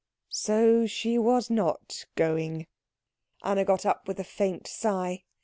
So she was not going. Anna got up with a faint sigh.